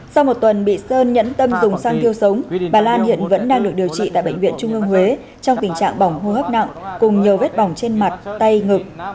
sau một tuần bị sơn nhẫn tâm dùng sang kêu sống bà lan hiện vẫn đang được điều trị tại bệnh viện trung ương huế trong tình trạng bỏng hô hấp nặng cùng nhiều vết bỏng trên mặt tay ngực